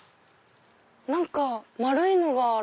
何か丸いのがある。